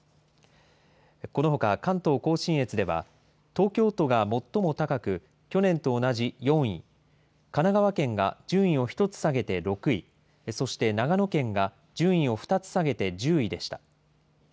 このほか関東甲信越では、東京都が最も高く、去年と同じ４位、神奈川県が順位を１つ下げて６位、そして長野県が順位を２つ下げて１０位でした。